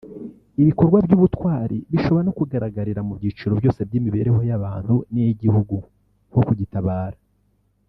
Ibikorwa by’ubutwari bishobora no kugaragarira mu byiciro byose by’imibereho y’abantu niy’igihugu nko kugitabara